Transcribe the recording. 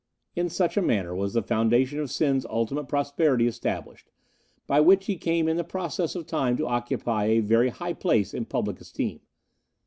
"In such a manner was the foundation of Sen's ultimate prosperity established, by which he came in the process of time to occupy a very high place in public esteem.